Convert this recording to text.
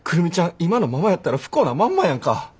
今のままやったら不幸なまんまやんか。